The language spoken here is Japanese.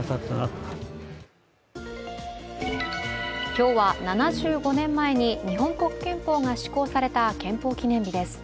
今日は７５年前に日本国憲法が施行された憲法記念日です。